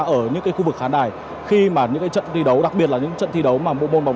ở những khu vực khán đài khi mà những trận thi đấu đặc biệt là những trận thi đấu mà bộ môn bóng